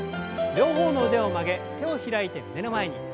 両方の腕を曲げ手を開いて胸の前に。